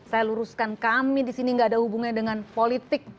saya luruskan kami di sini gak ada hubungannya dengan politik